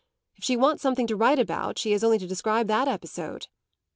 If she wants something to write about she has only to describe that episode."